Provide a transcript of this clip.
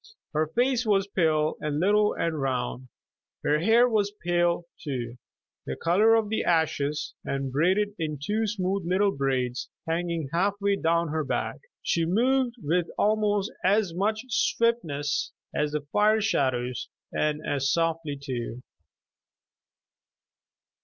Her face was pale and little and round. Her hair was pale, too, the color of ashes, and braided in two smooth little braids hanging half way down her back. She moved with almost as much swiftness as the fire shadows, and as softly too.